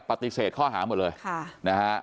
ปฏิเสธข้อหาหมดเลยนะฮะ